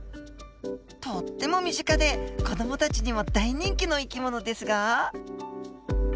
とっても身近で子どもたちにも大人気の生き物ですが。